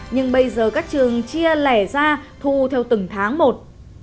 nhưng bây giờ các trường chia lẻ ra thu theo từng tháng một